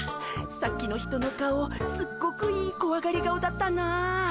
さっきの人の顔すっごくいいこわがり顔だったなあ。